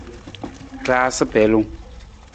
Raasa pelung.